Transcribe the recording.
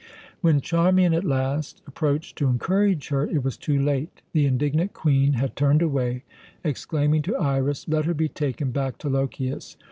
When Charmian at last approached to encourage her, it was too late; the indignant Queen had turned away, exclaiming to Iras: "let her be taken back to Lochias.